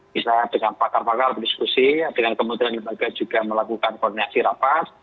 kita dengan pakar pakar berdiskusi dengan kemudian juga melakukan koordinasi rapat